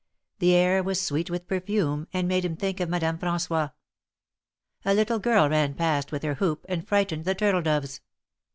The air was sweet with perfume, and made him think of Madame Fran9ois. A little girl ran past with her hoop, and frightened the turtle doves.